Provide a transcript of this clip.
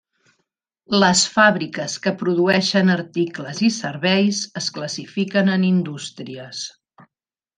Les fàbriques que produeixen articles i serveis es classifiquen en indústries.